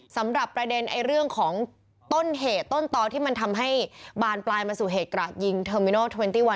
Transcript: สำหรับประเด็นไอ้เรื่องของต้นเหตุต้นตอที่มันทำให้บานปลายมาสู่เหตุล่ะ